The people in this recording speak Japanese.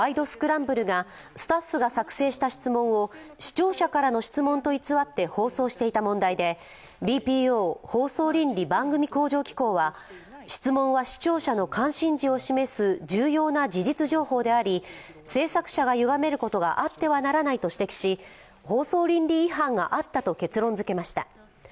スクランブル」がスタッフが作成した質問を視聴者からの質問と偽って放送していた問題でＢＰＯ＝放送倫理・番組向上機構は質問は視聴者の関心事を示す重要な事実情報であり、制作者がゆがめることがあってはならないと指摘し放送倫理違反があったと結論づけました。